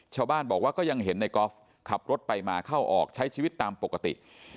ชาวบ้านบอกว่าก็ยังเห็นในกอล์ฟขับรถไปมาเข้าออกใช้ชีวิตตามปกติ